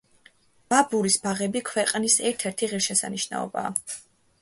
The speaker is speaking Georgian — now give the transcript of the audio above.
ბაბურის ბაღები ქვეყნის ერთ-ერთი ღირსშესანიშნაობაა.